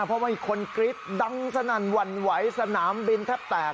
เพราะว่ามีคนกรี๊ดดังสนั่นหวั่นไหวสนามบินแทบแตก